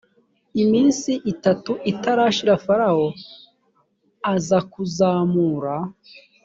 iminsi itatu itarashira farawo azakuzamura